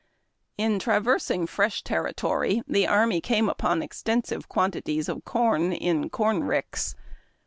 In traversing fresh territory, the army came upon exten sive quantities of corn in corn ricks.